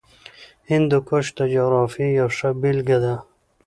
هندوکش د جغرافیې یوه ښه بېلګه ده.